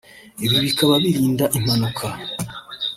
ibi bikaba birinda impanuka